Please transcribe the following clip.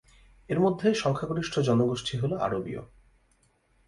এর মধ্যে সংখ্যাগরিষ্ঠ জনগোষ্ঠী হলো আরবীয়।